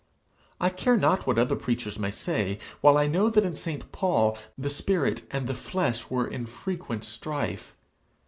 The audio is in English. I care not what other preachers may say, while I know that in St. Paul the spirit and the flesh were in frequent strife.